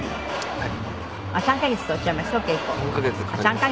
はい。